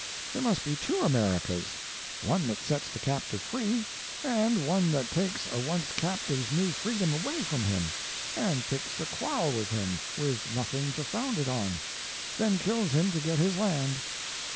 There must be two Americas : one that sets the captive free, and one that takes a once captive's new freedom away from him, and picks a quarrel with him with nothing to found it on; then kills him to get his land."